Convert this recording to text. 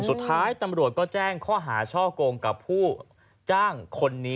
สุดท้ายตำรวจก็แจ้งข้อหาช่อกงกับผู้จ้างคนนี้